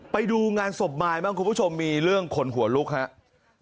ไปดูงานศพมายบ้างคุณผู้ชมมีเรื่องคนหัวลุกครับ